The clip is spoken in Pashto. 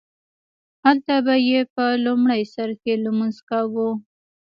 هلته به یې په لومړي سرکې لمونځ کاوو.